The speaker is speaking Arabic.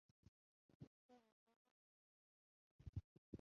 كان سامي على ما يُرام.